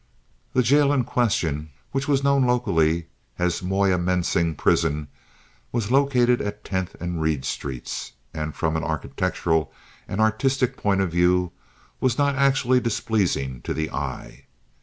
The jail in question, which was known locally as Moyamensing Prison, was located at Tenth and Reed Streets, and from an architectural and artistic point of view was not actually displeasing to the eye.